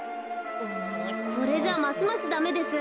これじゃますますダメです。